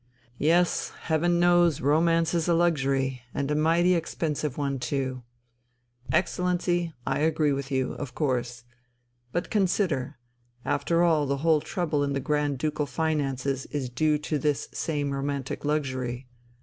"Yes, Heaven knows romance is a luxury, and a mighty expensive one too! Excellency, I agree with you of course. But consider, after all the whole trouble in the Grand Ducal finances is due to this same romantic luxury.